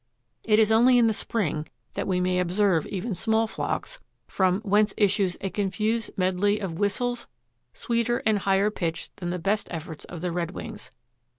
It is only in the spring that we may observe even small flocks from "whence issues a confused medley of whistles, sweeter and higher pitched than the best efforts of the redwings."